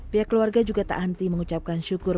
pihak keluarga juga tak henti mengucapkan syukur